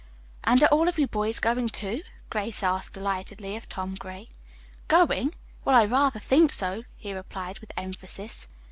"And are all of you boys going, too?" Grace asked delightedly of Tom Gray. "Going? Well, I rather think so," he replied with emphasis.